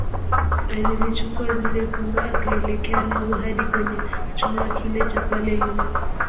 Alizichukua zile pumba akaelekea nazo hadi kwenye chumba kile Cha pale nje